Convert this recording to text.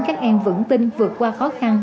các em vững tin vượt qua khó khăn